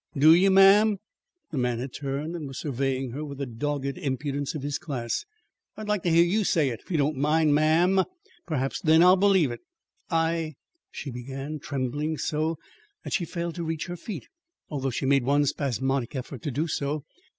"Do you, ma'am?" The man had turned and was surveying her with the dogged impudence of his class. "I'd like to hear you say it, if you don't mind, ma'am. Perhaps, then, I'll believe it." "I " she began, trembling so, that she failed to reach her feet, although she made one spasmodic effort to do so.